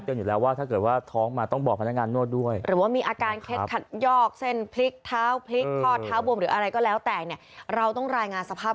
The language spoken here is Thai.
เตรียมทำใจเอาไว้แล้วด้วย